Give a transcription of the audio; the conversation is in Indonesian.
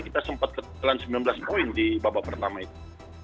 kita sempat ketelan sembilan belas poin di babak pertama itu